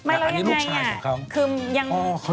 อันนี้ลูกชายของเขา